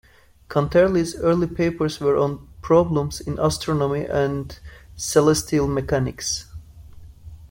Cantelli's early papers were on problems in astronomy and celestial mechanics.